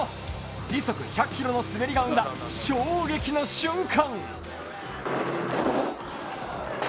時速１００ｋｍの滑りが生んだ衝撃の瞬間！